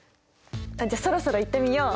じゃあそろそろいってみよう。